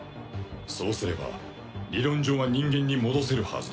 そうすれば理論上は人間に戻せるはずだ。